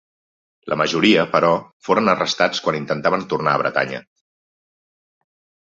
La majoria, però, foren arrestats quan intentaven tornar a Bretanya.